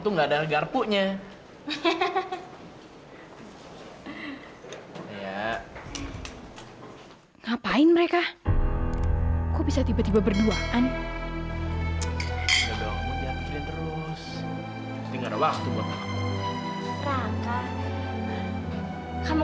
ngapain mereka kok bisa tiba tiba berduaan terus tinggal waktu